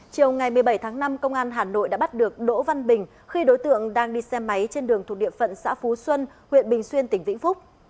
chiều ngày một mươi bảy tháng năm công an hà nội đã bắt được đỗ văn bình khi đối tượng đang đi xe máy trên đường thuộc địa phận xã phú xuân huyện bình xuyên tỉnh vĩnh phúc